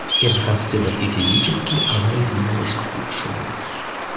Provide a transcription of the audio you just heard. И нравственно и физически она изменилась к худшему.